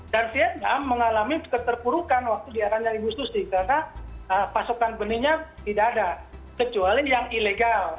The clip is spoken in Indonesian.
dan vietnam mengalami keterpurukan waktu di arahnya ibu susi karena pasokan benihnya tidak ada kecuali yang ilegal